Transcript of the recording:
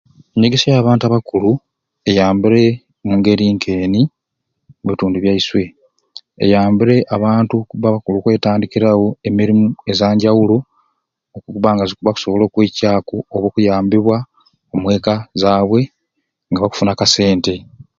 Enyegesya ya bantu abakulu eyambire omungeri nkeni omu bitundu byaiswe eyambire abantu okuba abakulu okwetandikirawo emirimu egyanjawulo okuba nga bakusobola okwecaku oba okuyambibwa omweka zabwe nga bakufuna akasente